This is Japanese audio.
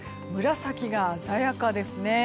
紫が鮮やかですね。